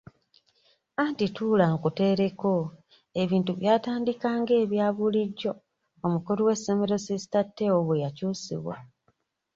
Anti tuula nkuteereko; ebintu byatandika ng'ebya bulijjo omukulu w'essomero sisita Teo bwe yakyusibwa.